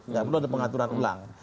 nggak perlu ada pengaturan ulang